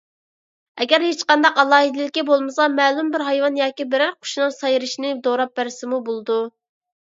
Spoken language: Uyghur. ئەگەر ھېچقانداق ئالاھىدىلىكى بولمىسا، مەلۇم بىر ھايۋان ياكى بىرەر قۇشنىڭ سايرىشىنى دوراپ بەرسىمۇ بولىدۇ.